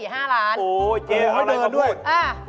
โอ้ยเจ๊อะไรขบุตรเอาล่ะเดินด้วยที่ภาพก็บอก